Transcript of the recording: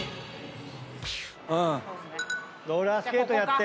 ローラースケートやって。